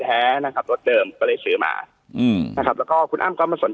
แท้นะครับรถเดิมก็เลยซื้อมานะครับแล้วก็ต้องเข้ามาสน